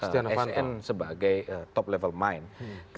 sn sebagai top level mind